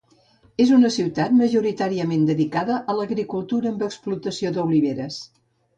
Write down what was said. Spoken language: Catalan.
És una ciutat majoritàriament dedicada a l'agricultura amb explotació d'oliveres.